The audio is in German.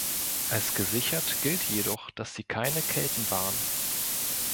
Als gesichert gilt jedoch, dass sie keine Kelten waren.